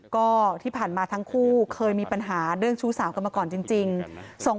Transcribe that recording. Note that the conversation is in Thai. ก็ที่ผ่านมาทั้งคู่เคยมีปัญหาเรื่องชู้สาวกันมาก่อนจริง